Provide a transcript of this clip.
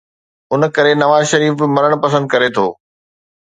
ان ڪري نواز شريف به مرڻ پسند ڪري ٿو.